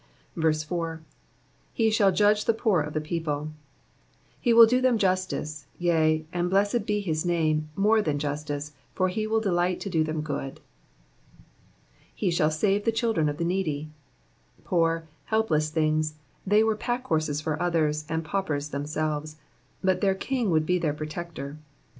4. '"Be shall judge the poor of tJie people.'''' He will do them justice, yea, and blessed be his name, more than justice, for he will delight to do them good. ""He shall sane the children of the needy,'''' Poor, helpless things, they were packhorses for others, and paupers themselves, but their King would be their protector.